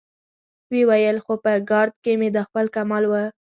ويې ويل: خو په ګارد کې مې دا خپل کمال و.